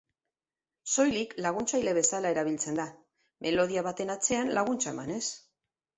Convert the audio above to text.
Soilik laguntzaile bezala erabiltzen da, melodia baten atzean laguntza emanez.